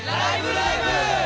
ライブ！」！！